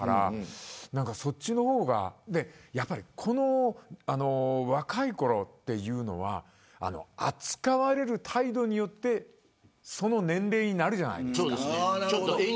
何かそっちの方がこの若いころというのは扱われる態度によってその年齢になるじゃないですか。